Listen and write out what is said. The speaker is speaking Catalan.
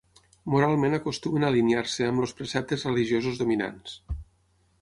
Moralment acostumen a alinear-se amb els preceptes religiosos dominants.